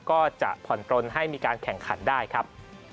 ก็จะผ่อนปลนให้มีการแข่งขันได้ครับ